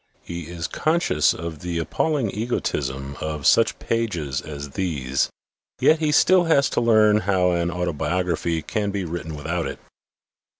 He is conscious of the appalling egotism of such pages as these; yet he has still to learn how an autobiography can be written without it.